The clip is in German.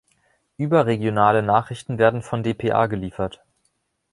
Überregionale Nachrichten werden von dpa geliefert.